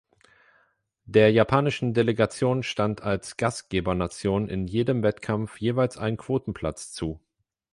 Der japanischen Delegation stand als Gastgebernation in jedem Wettkampf jeweils ein Quotenplatz zu.